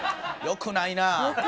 良くないな。